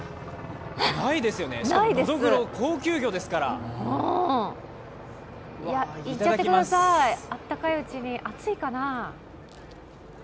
ないですよね、しかもノドグロ、高級魚ですから。いっちゃってください、あったかいうちに。